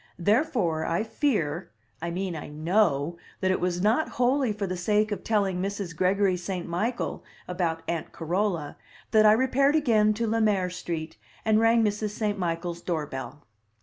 Therefore I fear I mean, I know that it was not wholly for the sake of telling Mrs. Gregory St. Michael about Aunt Carola that I repaired again to Le Maire Street and rang Mrs. St. Michael's door bell.